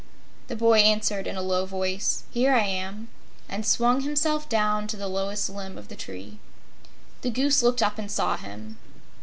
the boy answered in a low voice, "Here I am," and swung himself down to the lowest limb of the tree. The Goose looked up and saw him.